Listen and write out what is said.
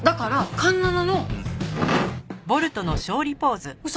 環七の？